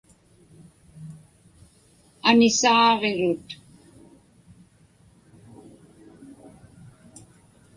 Anisaaġirut.